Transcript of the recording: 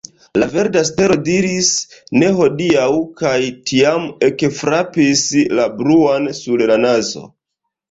La verda stelo diris, ne hodiaŭ, kaj tiam ekfrapis la bluan sur la nazo.